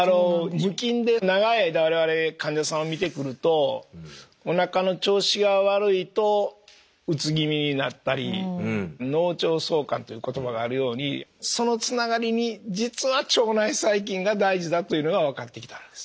無菌で長い間我々患者さんを診てくるとおなかの調子が悪いとうつ気味になったり「脳腸相関」という言葉があるようにそのつながりに実は腸内細菌が大事だというのが分かってきたんです。